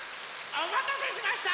おまたせしました！